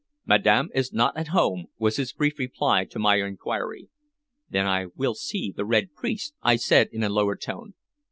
"Madame is not at home," was his brief reply to my inquiry. "Then I will see the Red Priest," I said in a lower tone.